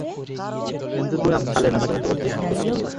কিন্তু তুমি ছাড়লে না, তাকে মুক্ত করতে আমাকে সাথে নিয়ে এলে।